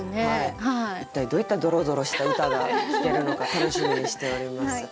一体どういったドロドロした歌が聞けるのか楽しみにしております。